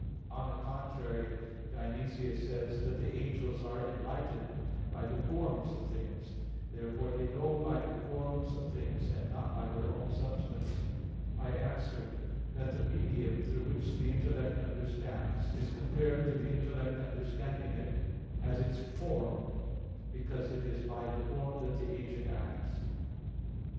On the contrary, Dionysius says (Div. Nom. iv) that "the angels are enlightened by the forms of things." Therefore they know by the forms of things, and not by their own substance. I answer that, The medium through which the intellect understands, is compared to the intellect understanding it as its form, because it is by the form that the agent acts.